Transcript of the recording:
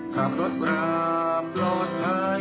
ข้ามรถราปลอดภัย